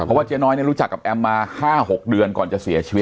เพราะว่าเจ๊น้อยรู้จักกับแอมมา๕๖เดือนก่อนจะเสียชีวิต